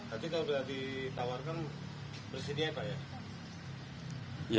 tapi kalau ditawarkan bersedia pak ya